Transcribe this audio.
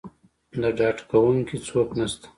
د ډاډکوونکي څوک نه شته.